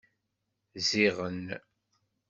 Ziɣen.